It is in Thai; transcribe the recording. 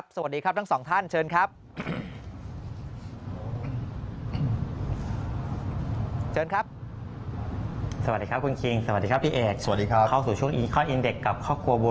สวัสดีครับทั้งสองท่านเชิญครับ